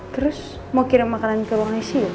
terus mau kirim makanan ke ruang isi